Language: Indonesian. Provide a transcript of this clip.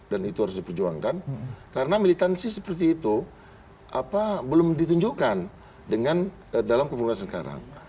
dan itu harus diperjuangkan karena militansi seperti itu belum ditunjukkan dalam kemurahan sekarang